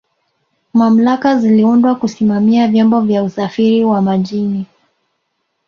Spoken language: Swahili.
mamlaka ziliundwa Kusimamia vyombo vya usafiri wa majini